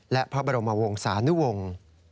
และพระบรมวงศานุวงศ์